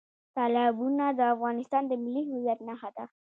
تالابونه د افغانستان د ملي هویت نښه ده.